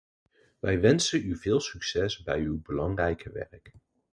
Wij wensen u veel succes bij uw belangrijke werk.